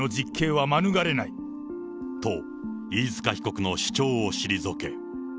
と、飯塚被告の主張を退け。